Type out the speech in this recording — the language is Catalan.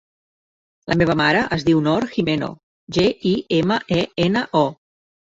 La meva mare es diu Noor Gimeno: ge, i, ema, e, ena, o.